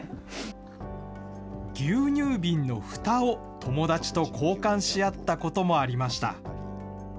牛乳瓶のふたを友達と交換し合ったこともありました。